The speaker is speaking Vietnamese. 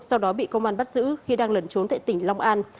sau đó bị công an bắt giữ khi đang lẩn trốn tại tỉnh long an